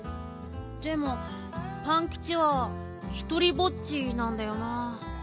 でもパンキチはひとりぼっちなんだよな。